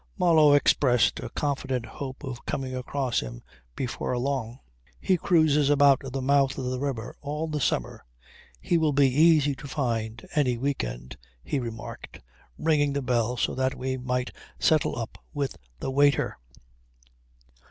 Marlow expressed a confident hope of coming across him before long. "He cruises about the mouth of the river all the summer. He will be easy to find any week end," he remarked ringing the bell so that we might settle up with the waiter.